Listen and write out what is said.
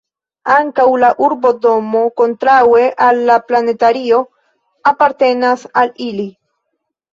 Ankaŭ la urbodomo kontraŭe al la planetario apartenas al ili.